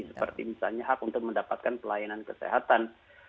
seperti misalnya hak untuk mendapatkan pelayanan kesehatan